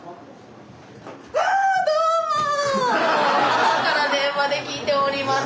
母から電話で聞いております。